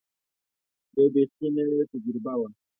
یوه بېخي نوې تجربه وه.